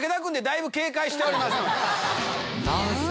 男性？